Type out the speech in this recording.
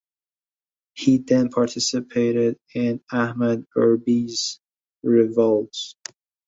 He then participated in Ahmed Urabi's revolt.